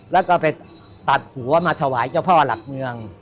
แล้วก็ไปตัดหัวมาถวายเจ้าพ่อหลักเมือง